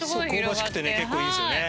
香ばしくていいですよね。